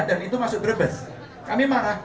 dan itu masuk grebes kami marah